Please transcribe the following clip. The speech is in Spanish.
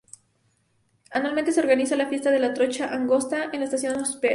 Anualmente se organiza la Fiesta de la Trocha Angosta, en la estación Espora.